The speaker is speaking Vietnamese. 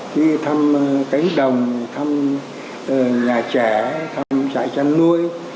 khi thăm cánh đồng thăm nhà trẻ thăm trại chăn nuôi